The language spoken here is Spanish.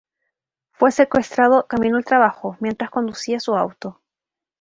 Fue secuestrado camino al trabajo, mientras conducía su auto.